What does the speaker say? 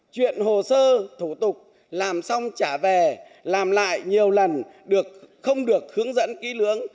chuyện hồ sơ thủ tục làm xong trả về làm lại nhiều lần không được hướng dẫn ký lưỡng